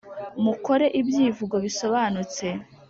Mukore ibyivugo bisobanutse